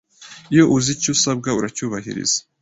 Iyo uzi icyo usabwa uracyubahiriza